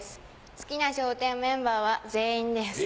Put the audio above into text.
好きな笑点メンバーは全員です。